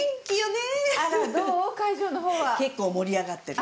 結構盛り上がってる。